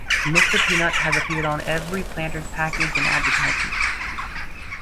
Mr. Peanut has appeared on almost every Planters package and advertisement.